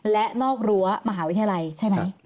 และนอกรั้วมหาวิทยาลัยใช่ไหม